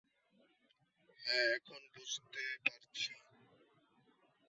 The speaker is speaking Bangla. হ্যাঁ, এখন বুঝতে পারছি।